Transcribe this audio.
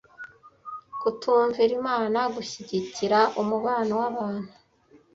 kutumvira Imana gushyigikira umubano wabantu